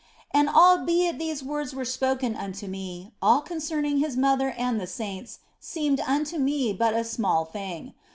And albeit these words were spoken unto me, all concerning His mother and the saints seemed unto me but a small thing.